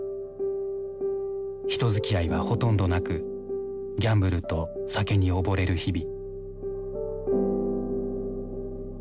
人づきあいはほとんどなくギャンブルと酒に溺れる日々。